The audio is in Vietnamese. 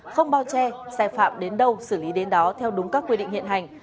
không bao che sai phạm đến đâu xử lý đến đó theo đúng các quy định hiện hành